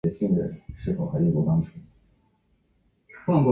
阿莱尔斯特是德国下萨克森州的一个市镇。